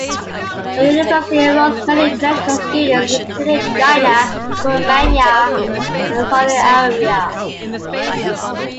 The university enrolls many international students, including China, Romania, and Saudi Arabia.